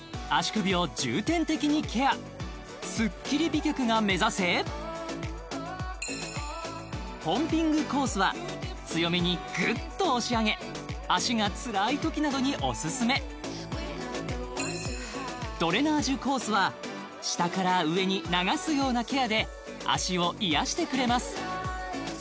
スッキリ美脚が目指せポンピングコースは強めにグッと押し上げ脚がつらいときなどにオススメドレナージュコースは下から上に流すようなケアで脚を癒やしてくれます